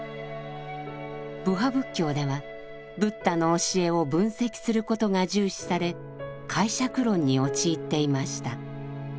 部派仏教ではブッダの教えを分析することが重視され解釈論に陥っていました。